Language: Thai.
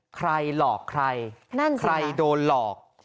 ใครหลอกใครใครโดนหลอก